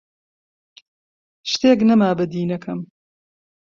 شتێک نەما بەدیی نەکەم: